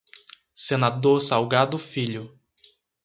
Senador Salgado Filho